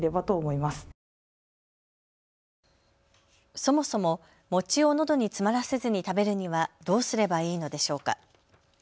そもそも餅をのどに詰まらせずに食べるにはどうすればいいのでしょうか。